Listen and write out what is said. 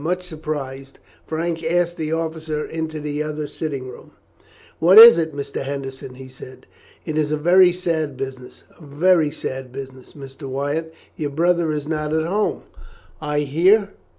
Much surprised, Frank asked the officer into the other sitting room. "What is it, Mr. Henderson?" he said. "It is a very sad business, a very sad business, Mr. Wyatt. Your brother is not at home, I hear?"